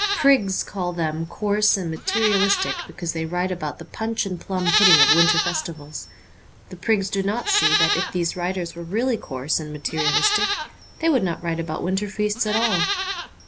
Prigs call them coarse and materialistic because they write about the punch and plum pudding of winter festivals. The prigs do not see that if these writers were really coarse and materialistic they would not write about winter feasts at all.